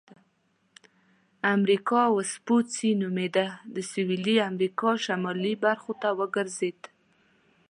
امریکا وسپوچې نومیده د سویلي امریکا شمالي برخو ته وګرځېد.